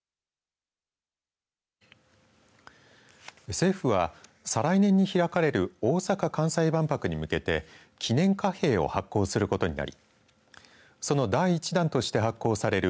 政府は再来年に開かれる大阪・関西万博に向けて記念貨幣を発行することになりその第１弾として発行される